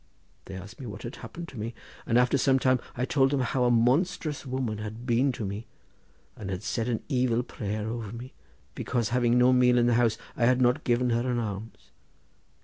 They asked me what had happened to me, and after some time I told them how a monstrous woman had been to me, and had said an evil prayer over me, because having no meal in the house I had not given her an alms.